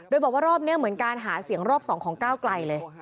โดยบอกว่ารอบนี้เหมือนการหาเสียงรอบ๒ของก้าวไกลเลย